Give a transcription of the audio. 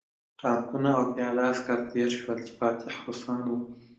ټانکونه او پیاده عسکر تېر شول چې فاتح روسان وو